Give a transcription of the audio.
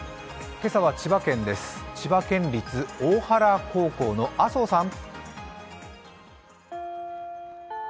今朝は千葉県です、千葉県立大原高校の麻生さん。